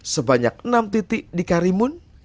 sebanyak enam titik di karimun